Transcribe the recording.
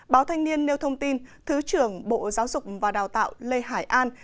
báo thanh niên nêu thông tin thứ trưởng bộ giáo dục và đào tạo lê hải an